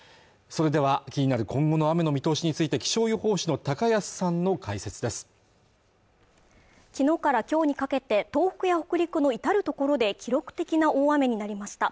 それでは気になる今後の雨の見通しについて気象予報士の高安さんの解説です昨日から今日にかけて東北や北陸の至る所で記録的な大雨になりました